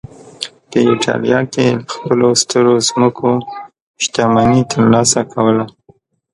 په اېټالیا کې له خپلو سترو ځمکو شتمني ترلاسه کوله